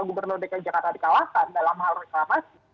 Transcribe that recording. gubernur dki jakarta dikalahkan dalam hal reklamasi